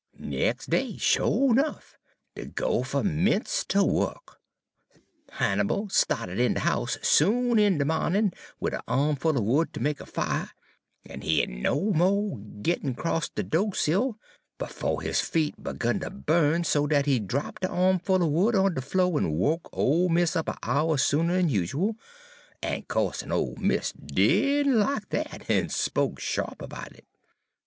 "Nex' day, sho' 'nuff, de goopher 'mence' ter wuk. Hannibal sta'ted in de house soon in de mawnin' wid a armful er wood ter make a fire, en he had n' mo' d'n got 'cross de do' sill befo' his feet begun ter bu'n so dat he drap' de armful er wood on de flo' en woke ole mis' up a' hour sooner 'n yushal, en co'se ole mis' did n' lack dat, en spoke sha'p erbout it.